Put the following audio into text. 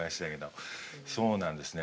そうなんですね。